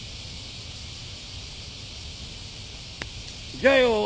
じゃあよ俺。